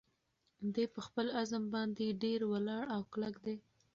دی په خپل عزم باندې ډېر ولاړ او کلک دی.